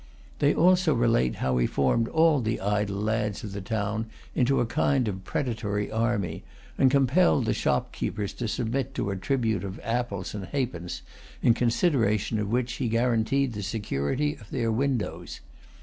They also relate how he formed all the idle lads of the town into a kind of predatory army, and compelled the shopkeepers to submit to a tribute of apples and half pence, in consideration of which he guaranteed the security of their windows.